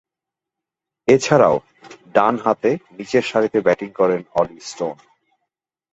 এছাড়াও, ডানহাতে নিচেরসারিতে ব্যাটিং করেন অলি স্টোন।